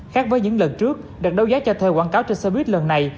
khác với những lần trước đợt đấu giá cho thuê quảng cáo trên xe buýt lần này